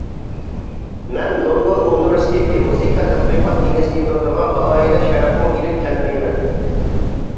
مەن لوندون ئۇنىۋېرسىتېتى مۇزىكا تەتقىقات ئىنستىتۇتىغا ئالاھىدە شەرەپمۇ ئېلىپ كەلمەيمەن.